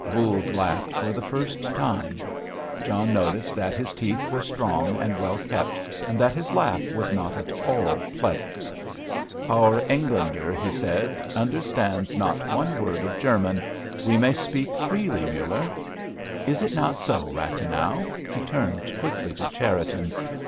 Voules laughed for the first time. John noticed that his teeth were strong and well kept, and that his laugh was not at all pleasant. "Our Englander," he said, "understands not one word of German. We may speak freely, Muller. Is it not so, Rathenau?" He turned quickly to Cherriton.